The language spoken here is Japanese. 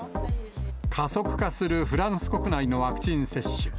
加速化するフランス国内のワクチン接種。